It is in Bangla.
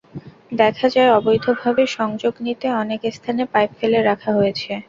দেখা যায়, অবৈধভাবে সংযোগ নিতে অনেক স্থানে পাইপ ফেলে রাখা হয়েছে।